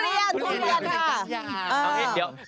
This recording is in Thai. ทุเรียนทุเรียน